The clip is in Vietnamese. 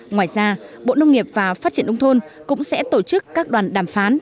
ngoài ra bộ nông nghiệp và phát triển nông thôn cũng sẽ tổ chức các đoàn đàm phán